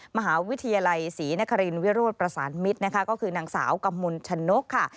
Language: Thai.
มหาวิทยาลัยศรีนครินวิโรธประสานมิตรนะคะก็คือนางสาวกมลชนกค่ะ